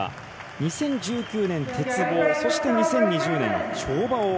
２０１９年、鉄棒そして２０２０年、跳馬を。